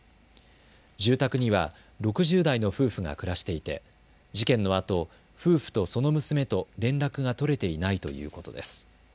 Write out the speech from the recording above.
住宅には６０代の夫婦が暮らしていて、事件のあと、夫婦とその娘と連絡が取れていないということです。